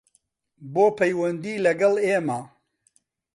بۆ پەیوەندی لەگەڵ ئێمە